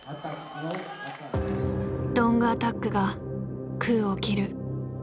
ロングアタックが空を切る。